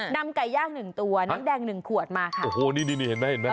นำไก่ย่างหนึ่งตัวน้ำแดงหนึ่งขวดมาค่ะ